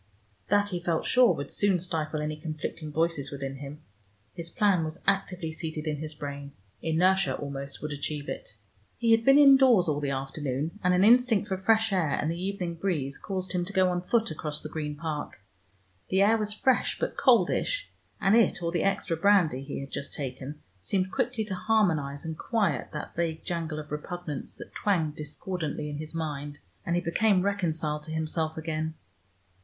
That, he felt sure, would soon stifle any conflicting voices within him. His plan was actively seated in his brain; inertia, almost, would achieve it. He had been indoors all the afternoon, and an instinct for fresh air and the evening breeze caused him to go on foot across the Green Park. The air was fresh but coldish, and it or the extra brandy he had just taken seemed quickly to harmonize and quiet that vague jangle of repugnance that twanged discordantly in his mind, and he became reconciled to himself again.